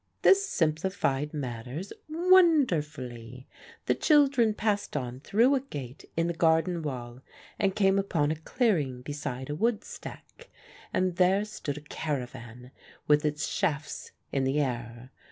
This simplified matters wonderfully. The children passed on through a gate in the garden wall and came upon a clearing beside a woodstack; and there stood a caravan with its shafts in the air.